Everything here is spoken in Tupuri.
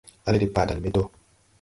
A lɛ de padal me dɔ.